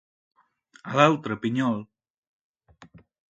A l'altre, pinyol!